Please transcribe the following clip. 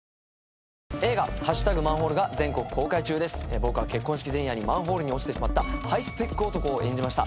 僕は結婚式前夜にマンホールに落ちてしまったハイスペック男を演じました。